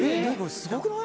すごくない？